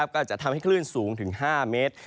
ก็จะทำให้คลื่นสูงถึง๕เมตร